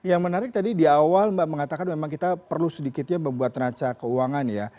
yang menarik tadi di awal mbak mengatakan memang kita perlu sedikitnya membuat raca keuangan ya